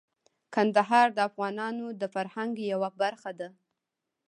کندهار د افغانانو د فرهنګ یوه برخه ده.